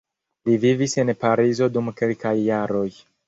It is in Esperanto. Li vivis en Parizo dum kelkaj jaroj.